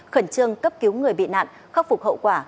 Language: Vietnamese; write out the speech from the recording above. khẩn trương cấp cứu người bị nạn khắc phục hậu quả